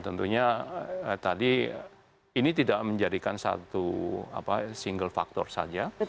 tentunya tadi ini tidak menjadikan satu single factor saja